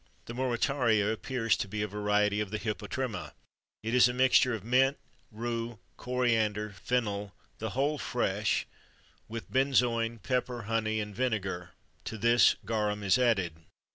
[XXIII 41] The Moretaria appears to be a variety of the Hypotrimma; it is a mixture of mint, rue, coriander, fennel, the whole fresh, with benzoin, pepper, honey, and vinegar; to this, garum is added.